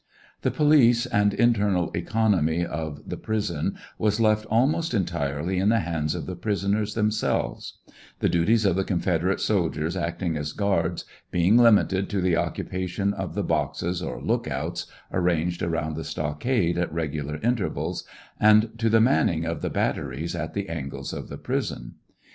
The police and internal economy of the prison w^as left almost entirely in the hands of the prisoners themselves ; the duties of the Confederate soldiers acting as guards being limited to the occupation of the boxes or lookouts ranged around the stockade at regular inter vals, and to the manning of the batteries at the angles of the prison.